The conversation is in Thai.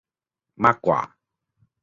มากกว่า